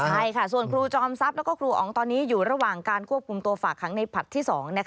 ใช่ค่ะส่วนครูจอมทรัพย์แล้วก็ครูอ๋องตอนนี้อยู่ระหว่างการควบคุมตัวฝากขังในผลัดที่๒